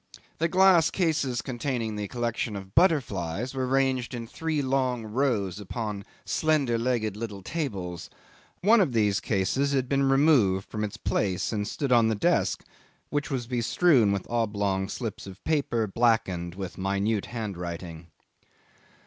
The glass cases containing the collection of butterflies were ranged in three long rows upon slender legged little tables. One of these cases had been removed from its place and stood on the desk, which was bestrewn with oblong slips of paper blackened with minute handwriting.